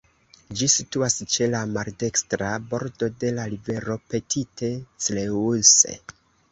Ĝi situas ĉe la maldekstra bordo de la rivero Petite Creuse.